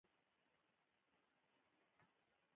پکورې د کور دودیز خوراک دی